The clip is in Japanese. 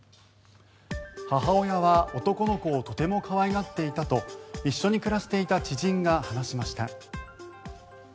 母親は男の子をとても可愛がっていたと一緒に暮らしていた知人が話しました。